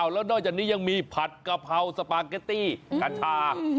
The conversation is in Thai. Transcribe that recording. แล้วนอกจากนี้ยังมีผัดกะเพราสปาเกตตี้กัญชา